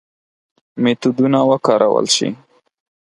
میتودونه وکارول شي.